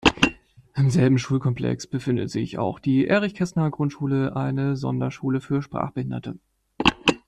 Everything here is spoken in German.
Im selben Schulkomplex befindet sich auch die Erich-Kästner-Grundschule, eine Sonderschule für Sprachbehinderte.